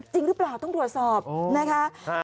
จริงหรือเปล่าต้องตรวจสอบนะคะ